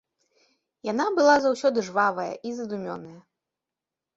Яна была заўсёды жвавая і задумёная.